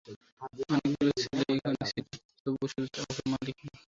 অনেকগুলো ছেলে ওখানে ছিল, তবুও শুধু ওকে মারলি কেন?